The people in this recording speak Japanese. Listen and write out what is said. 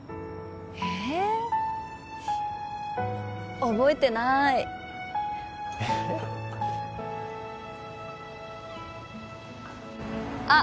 ええ覚えてないあっ